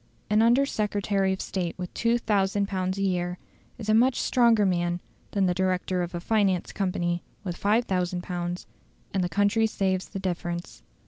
An Under Secretary of State with 2000 pounds a year is a much stronger man than the director of a finance company with 5000 pounds, and the country saves the difference.